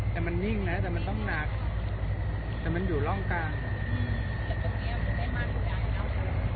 แต่มันนิ่งนะแต่มันต้องหนักแต่มันอยู่ร่องกลาง